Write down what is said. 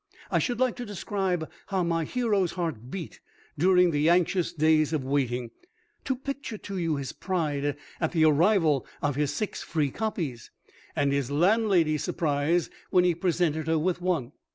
I should like to describe how my hero's heart beat during the anxious days of waiting; to picture to you his pride at the arrival of his six free copies, and his landlady's surprise when he presented her with one.